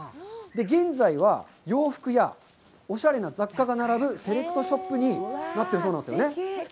現在は洋服やおしゃれな雑貨が並ぶセレクトショップになっているそうなんですよね。